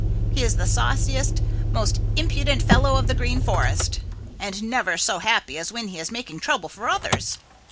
He is the sauciest, most impudent fellow of the Green Forest, and never so happy as when he is making trouble for others.